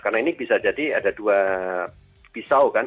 karena ini bisa jadi ada dua pisau kan